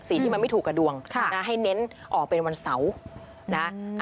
ที่มันไม่ถูกกับดวงให้เน้นออกเป็นวันเสาร์นะ